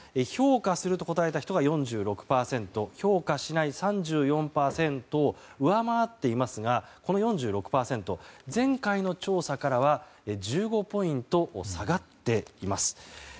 評価すると答えた人が４６％評価しない、３４％を上回っていますが、この４６％は前回の調査からは１５ポイント下がっています。